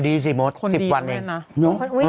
ดีสิโมด๑๐วันเลย